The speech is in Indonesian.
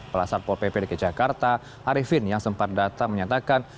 pelasar pol pp dki jakarta arifin yang sempat datang menyatakan